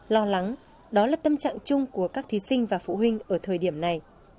lo lắng đó là tâm trạng chung của các thí sinh và phụ huynh ở thời điểm này